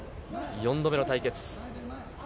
４度目の対決。